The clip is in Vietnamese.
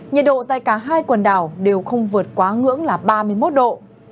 nhiệt độ tại cả hai quần đảo đều không vượt quá ngưỡng là ba mươi một độ